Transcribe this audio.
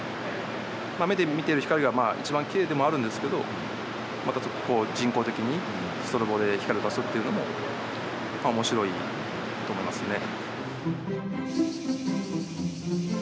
目で見てる光はまあ一番きれいでもあるんですけどまたちょっとこう人工的にストロボで光を足すっていうのも面白いと思いますね。